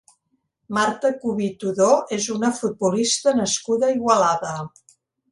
Marta Cubí Tudó és una futbolista nascuda a Igualada.